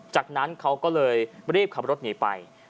จากนั้นเขาก็เลยรีบขับรถหนีไป